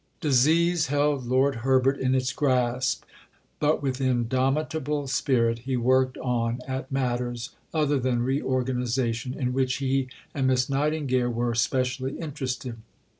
Disease held Lord Herbert in its grasp, but with indomitable spirit he worked on at matters, other than reorganization, in which he and Miss Nightingale were specially interested.